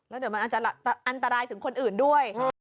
แล้วเดี๋ยวมันอาจจะอันตรายถึงคนอื่นด้วย